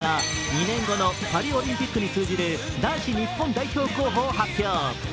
昨日、日本バレーボール協会が２年後のパリオリンピックに通じる男子日本代表候補を発表。